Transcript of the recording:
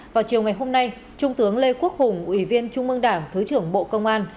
vào chiều ngày hôm nay trung tướng lê quốc hùng ủy viên trung mương đảng thứ trưởng bộ công an